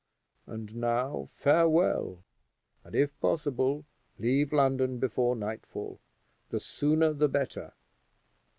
And now, farewell; and, if possible, leave London before nightfall the sooner the better.